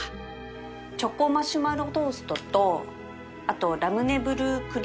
チョコマシュマロトーストとあとラムネブルークリームソーダ下さい。